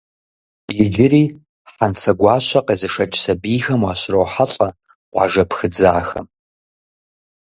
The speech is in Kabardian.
Иджыри Хьэнцэгуащэ къезышэкӏ сэбийхэм уащырохьэлӏэ къуажэ пхыдзахэм.